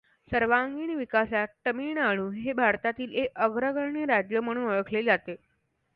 सर्वांगीण विकासात तमिळनाडू हे भारतातील एक अग्रगण्य राज्य म्हणून ओळखले जाते.